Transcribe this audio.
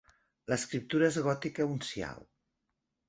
L'escriptura és gòtica uncial.